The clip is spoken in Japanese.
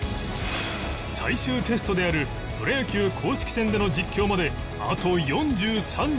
最終テストであるプロ野球公式戦での実況まであと４３日